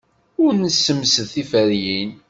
Ur nessemsed tiferyin.